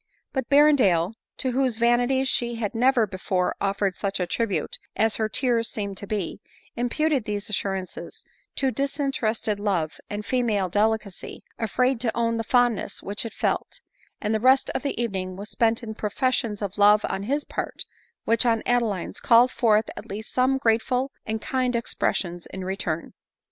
But Berrendale, to whose vanity she had never be fore offered such a tribute as her tears seemed to be, im puted these assurances to disinterested love and female delicacy, afraid to own the fondness which it felt ; and the rest of the evening was spent in professions of love on his part, which on Adeline's, called forth at least some grateful and kind expressions in return.